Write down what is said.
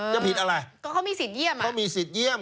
จะผิดอะไรก็เขามีสิทธิเยี่ยม